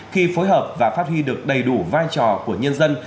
khi phối hợp và phát huy được đầy đủ vai trò của nhân dân